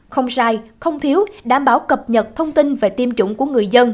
không sai không thiếu đảm bảo cập nhật thông tin về tiêm chủng của người dân